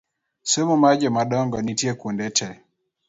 Somo mar jomadongo nitie kuonde te